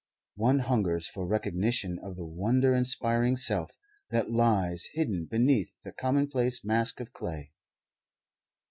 One hungers for recognition of the wonder inspiring self that lies hidden beneath the commonplace mask of clay.